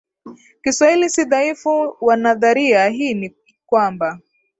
Kiswahili si dhaifu wa nadharia hii ni kwamba